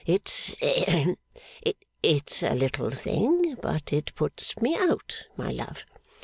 It hem! it's a little thing, but it puts me out, my love.